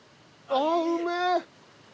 ああうめえ！